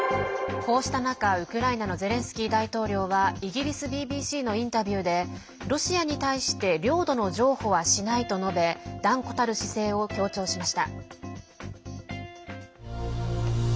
こうした中、ウクライナのゼレンスキー大統領はイギリスＢＢＣのインタビューでロシアに対して領土の譲歩はしないと述べ断固たる姿勢を強調しました。